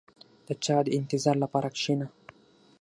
• د چا د انتظار لپاره کښېنه.